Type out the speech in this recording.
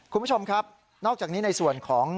คุณผู้ชมครับนอกจากนี้ในส่วนของ